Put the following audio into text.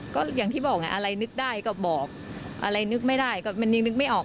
ก็อย่างที่บอกไงอะไรนึกได้ก็บอกอะไรนึกไม่ได้ก็มันยังนึกไม่ออก